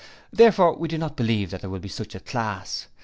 Therefore we do not believe that there will be such a class.